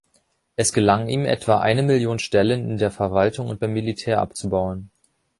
Es gelang ihm, etwa eine Million Stellen in der Verwaltung und beim Militär abzubauen.